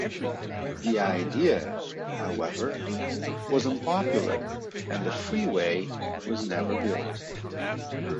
The idea, however, was unpopular and the freeway was never built.